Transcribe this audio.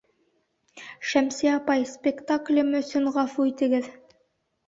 Шәмсиә апай, спектаклем өсөн ғәфү итегеҙ.